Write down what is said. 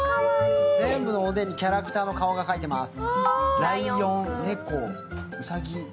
全部のおでんにキャラクターの顔が描いています。